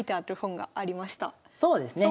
そうですね。